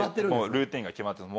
ルーティンが決まってます。